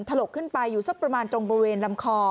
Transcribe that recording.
ถลกขึ้นไปอยู่สักประมาณตรงบริเวณลำคอ